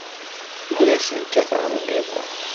Ur asen-kkateɣ lɣiḍa.